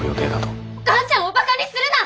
お母ちゃんをバカにするな！